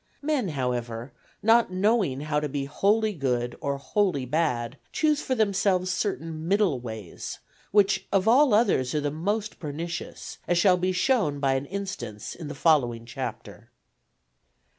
Men, however, not knowing how to be wholly good or wholly bad, choose for themselves certain middle ways, which of all others are the most pernicious, as shall be shown by an instance in the following Chapter.